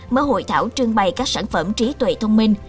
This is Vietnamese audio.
mở hội thảo trưng bày các sản phẩm trí tuệ thông minh